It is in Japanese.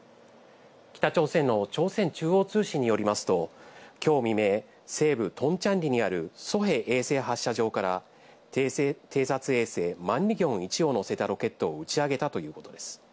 北朝鮮の朝鮮中央通信によりますと、きょう未明、西部トンチャンリにあるソヘ衛星発射場から偵察衛星「マンリギョン１」をのせたロケットを打ち上げたということです。